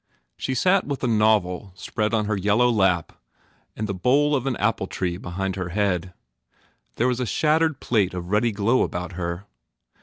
She sat with a novel spread on her yellow lap and the bole of an apple tree behind her head. There was a shattered plate of ruddy glow about her.